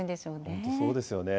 本当、そうですよね。